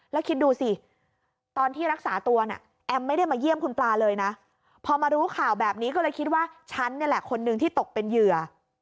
แล้วคิดดูสิตอนที่รักษาตัวเนี่ยแอมไม่ได้มาเยี่ยมคุณปลาเลยนะพอมารู้ข่าวแบบนี้ก็เลยคิดว่าฉันนี่แหละคนนึงที่ตกเป็นเหยื่อ